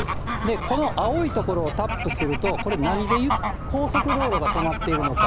この青い所をタップすると、これ、何で高速道路が止まっているのか。